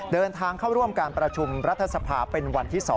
เดินทางเข้าร่วมการประชุมรัฐสภาเป็นวันที่๒